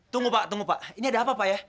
tunggu pak ini ada apa pak ya